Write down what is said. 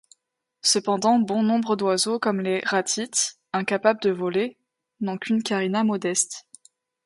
Cependant bon nombre d'oiseaux comme les ratites, incapables de voler, n'ont qu'une carina modeste.